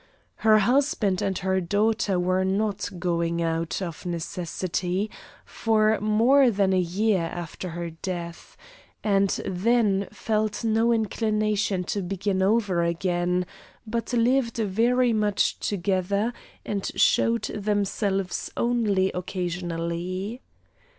Her husband and her daughter were not going out, of necessity, for more than a year after her death, and then felt no inclination to begin over again, but lived very much together and showed themselves only occasionally.